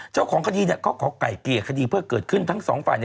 เจ้าของคดีเขาขอไก่เกลี่ยคดีเพื่อเกิดขึ้นทั้งสองฝ่าย